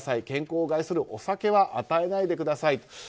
健康を害するお酒は与えないでください。